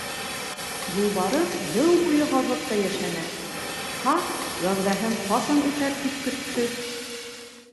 Юлбарыҫ йыл буйы һаҙлыҡта йәшәне, Тһа вәғәҙәһен ҡасан үтәр тип көттө.